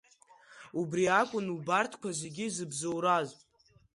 Убри акәын убарҭқәа зегьы зыбзоураз.